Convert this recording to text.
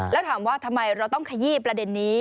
แล้วถามว่าทำไมเราต้องขยี้ประเด็นนี้